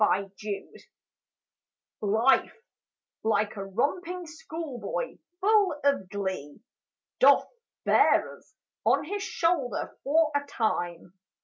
LIFE Life, like a romping schoolboy, full of glee, Doth bear us on his shoulder for a time.